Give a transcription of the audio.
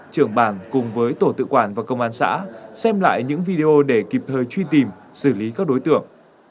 trưởng bản cùng với tổ tự quản và công an xã xem lại những video để kịp thời truy tìm xử lý các đối tượng